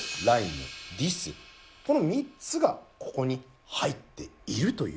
この３つがここに入っているという。